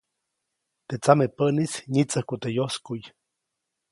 Teʼ tsamepäʼnis nyitsäjku teʼ yoskuʼy.